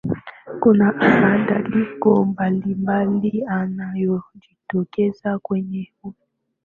kuna badadiliko mbalimbali yanayojitokeza kwenye kucha